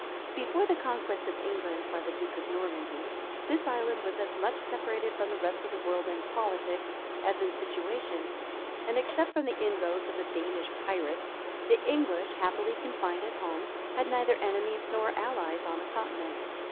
Before the conquest of England by the duke of Normandy, this island was as much separated from the rest of the world in politics as in situation; and except from the inroads of the Danish pirates, the English, happily confined at home, had neither enemies nor allies on the continent.